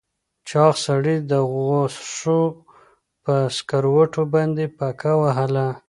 چاغ سړي د غوښو په سکروټو باندې پکه وهله.